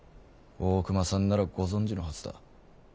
大隈さんならご存じのはずだ。